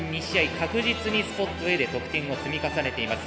確実にスポットＡで得点を積み重ねています。